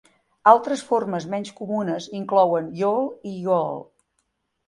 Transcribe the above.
Altres formes menys comunes inclouen "yawl" i "yo-all".